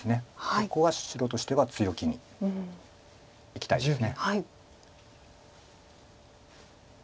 ここは白としては強気にいきたいです。